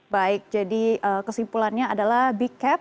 baik jadi kesimpulannya adalah big cap